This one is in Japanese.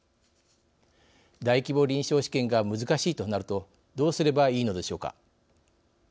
大規模臨床試験が難しいとなるとどうすればいいのでしょうか。